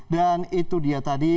dan itu dia tadi